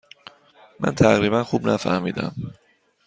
من تقریبا خوب نفهمیدم.